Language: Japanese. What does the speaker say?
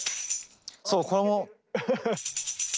そうこれも。